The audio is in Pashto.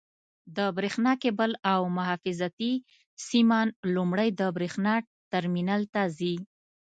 د برېښنا کېبل او حفاظتي سیمان لومړی د برېښنا ټرمینل ته ځي.